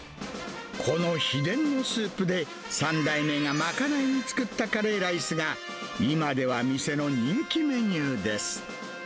この秘伝のスープで、３代目がまかないに作ったカレーライスが、今では店の人気メニューです。